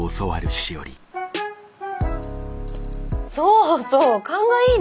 そうそう勘がいいね。